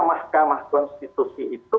mahkamah konstitusi itu